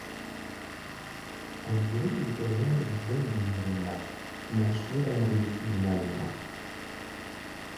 ⴰⵎⵣⵔⵓⵢ ⵉⴳⴰ ⵢⴰⵏ ⵓⴳⵣⵣⵓⵎ ⴳ ⵢⵉⵣⵔⵉ ⵏⵏⵖ ⵎⴰⵛⵛ ⵓⵔ ⴰⵏⵖ ⵉⴳⵉ ⵉⵎⴰⵍ ⵏⵏⵖ.